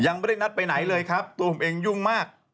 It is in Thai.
ยังไม่ได้นัดไปไหนเลยครับตัวผมเองยุ่งมาก